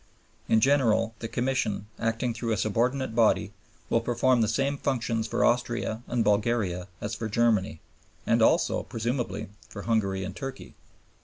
In general, the Commission, acting through a subordinate body, will perform the same functions for Austria and Bulgaria as for Germany, and also, presumably, for Hungary and Turkey.